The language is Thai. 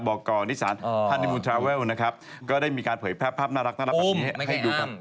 บกนิสรฮันนิมูนทราเวลนะครับก็ได้มีการเผยภาพน่ารักให้ดูครับ